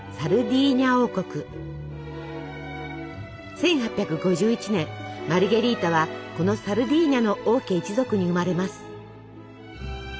１８５１年マルゲリータはこのサルディーニャの王家一族に生まれます。